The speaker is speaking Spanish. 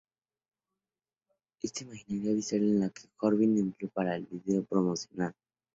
Esta imaginería visual es la que Corbijn empleó para el vídeo promocional.